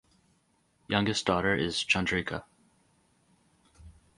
Youngest daughter is Chandrika.